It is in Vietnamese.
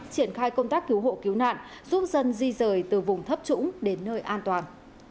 triển khai công tác cứu hộ cứu nạn giúp dân di rời từ vùng thấp trũng đến nơi an toàn